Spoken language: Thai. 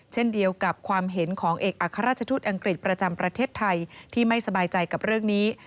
เช่นเดียวกับความเห็นของเอกอัครราชทูตอังกฤษประจำประเทศไทยที่ไม่สบายใจกับเรื่องนี้